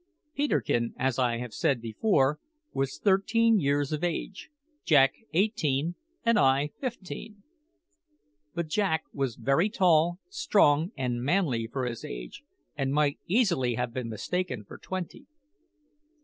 Peterkin, as I have said before, was thirteen years of age, Jack eighteen, and I fifteen. But Jack was very tall, strong, and manly for his age, and might easily have been mistaken for twenty.